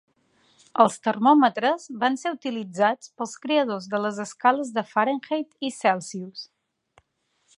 Els termòmetres van ser utilitzats pels creadors de les escales de Fahrenheit i Celsius.